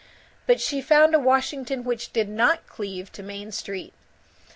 But she found a Washington which did not cleave to Main Street.